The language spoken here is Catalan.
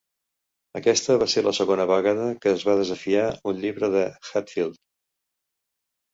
Aquesta va ser la segona vegada que es va desafiar un llibre de Hatfield.